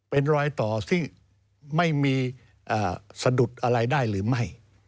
เป็นรอยต่อซึ่งไม่มีสะดุดอะไรได้หรือไม่